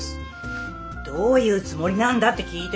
どういうつもりなんだって聞いてるんだよ！